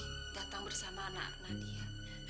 saya datang bersama anak nadia